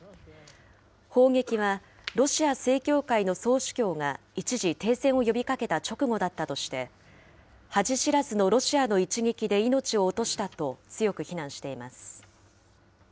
砲撃はロシア正教会の総主教が一時停戦を呼びかけた直後だったとして、恥知らずのロシアの一撃で命を落としたと強く非難しています。